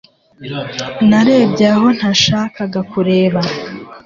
narebye aho ntashakaga kureba